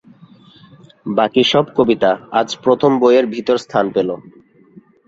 বাকী সব কবিতা আজ প্রথম বইয়ের ভিতর স্থান পেল।